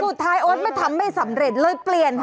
สุดท้ายโอ๊ตไม่ทำไม่สำเร็จเลยเปลี่ยน